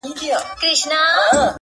زه څوک لرمه~